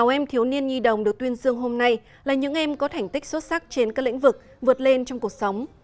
sáu mươi em thiếu niên nhi đồng được tuyên dương hôm nay là những em có thành tích xuất sắc trên các lĩnh vực vượt lên trong cuộc sống